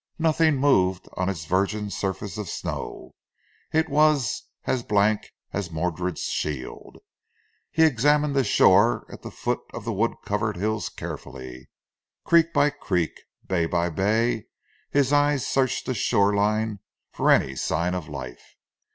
Nothing moved on its virgin surface of snow. It was as blank as Modred's shield. He examined the shore at the foot of the wood covered hills carefully. Creek by creek, bay by bay, his eye searched the shore line for any sign of life.